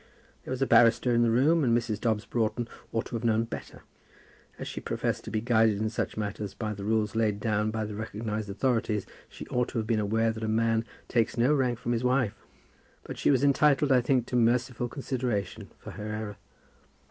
There was a barrister in the room, and Mrs. Dobbs Broughton ought to have known better. As she professed to be guided in such matters by the rules laid down by the recognized authorities, she ought to have been aware that a man takes no rank from his wife. But she was entitled I think to merciful consideration for her error.